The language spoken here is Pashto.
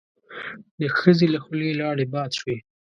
د ښځې له خولې لاړې باد شوې.